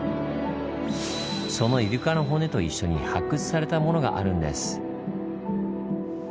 そのイルカの骨と一緒に発掘されたものがあるんです。